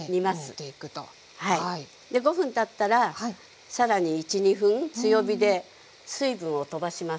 煮ていくと。で５分たったら更に１２分強火で水分を飛ばします。